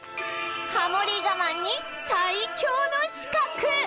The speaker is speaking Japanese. ハモリ我慢に最強の刺客